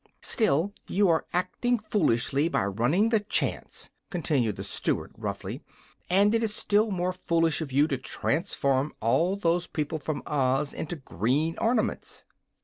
"Still, you are acting foolishly by running the chance," continued the Steward, roughly; "and it is still more foolish of you to transform all those people from Oz into green ornaments."